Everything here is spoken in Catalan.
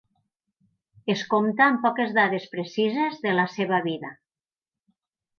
Es compta amb poques dades precises de la seva vida.